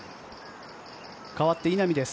かわって稲見です。